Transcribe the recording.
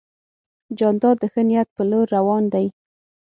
جانداد د ښه نیت په لور روان دی.